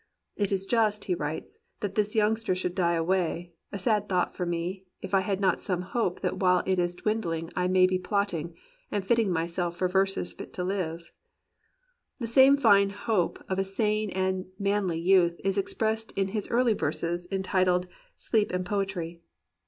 "It is just," he writes, "that this youngster should die away: a sad thought for me, if I had not some hope that while it is dwindhng I may be plotting, and fitting myself for verses fit to hve." The same fine hope of a sane and manly youth is expressed in his early verses entitled "Sleep and Poetry."